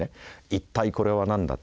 「一体これは何だ？」と。